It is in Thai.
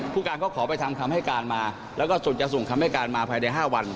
ผู้การก็ขอไปทำคำให้การมาแล้วก็ส่วนจะส่งคำให้การมาภายใน๕วัน